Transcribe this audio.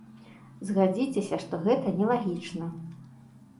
Згадзіцеся, што гэта нелагічна.